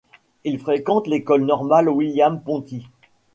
Il fréquente l'École normale William Ponty.